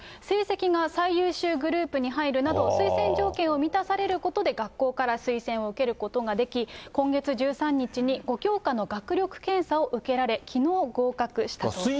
成績が最優秀グループに入るなど、推薦条件を満たされることで、学校から推薦を受けることができ、今月１３日に５教科の学力検査を受けられ、きのう合格したと。